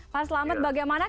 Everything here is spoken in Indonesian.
pak selamet bagaimana kemudian